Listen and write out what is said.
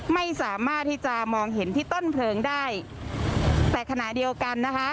ไม่สามารถที่จะมองเห็นที่ต้นเพลิงได้แต่ขณะเดียวกันนะคะ